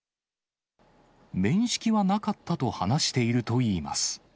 面識はなかったと話しているといいます。